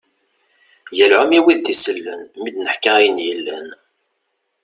Galɛum i wid d-isellen, mi d-neḥka ayen yellan.